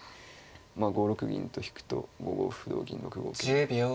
まあ５六銀と引くと５五歩同銀６五桂のような感じで。